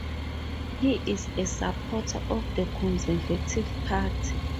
He is a supporter of the Conservative Party.